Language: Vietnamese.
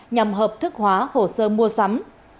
nhằm hợp thức hóa hồ sơ mua sắm